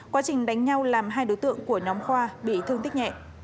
quá trình đánh nhau làm hai đối tượng của nhóm khoa bị thương tích nhẹ